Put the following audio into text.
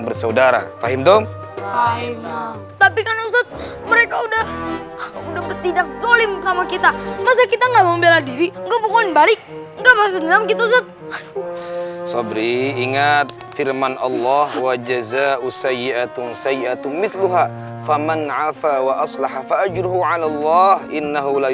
bersaudara fahim dong